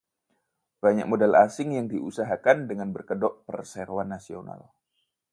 banyak modal asing yang diusahakan dengan berkedok perseroan nasional